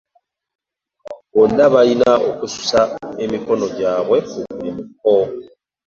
Bonna balina okussa emikono gyabwe ku buli muko.